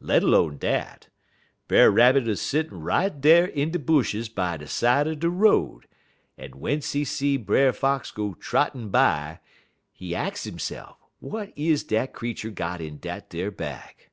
Let 'lone dat, Brer Rabbit 'uz settin' right dar in de bushes by de side er de road, en w'ence he see Brer Fox go trottin' by, he ax hisse'f w'at is it dat creetur got in dat ar bag.